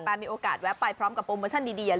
มีโอกาสแวะไปพร้อมกับโปรโมชั่นดี